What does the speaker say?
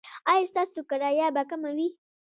ایا ستاسو کرایه به کمه وي؟